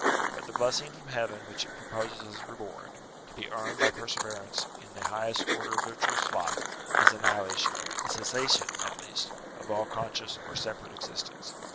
But the blessing from Heaven which it proposes as a reward, to be earned by perseverance in the highest order of virtuous life, is annihilation ; the cessation, at least, of all conscious or separate existence.